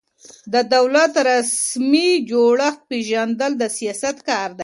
د دولت رسمي جوړښت پېژندل د سیاست کار دی.